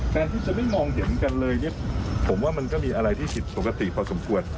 การที่จะไม่มองเห็นกันเลยเนี่ยผมว่ามันก็มีอะไรที่ผิดปกติพอสมควร